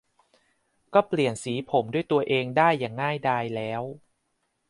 ก็เปลี่ยนสีผมด้วยตัวเองได้อย่างง่ายดายแล้ว